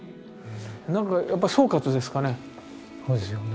何かやっぱ総括ですかね。